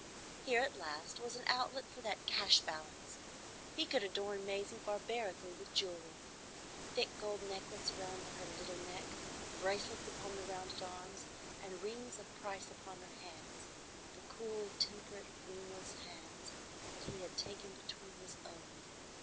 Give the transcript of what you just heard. Here at last was an outlet for that cash balance. He could adorn Maisie barbarically with jewelry,—a thick gold necklace round that little neck, bracelets upon the rounded arms, and rings of price upon her hands,—the cool, temperate, ringless hands that he had taken between his own.